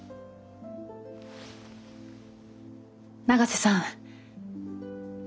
永瀬さん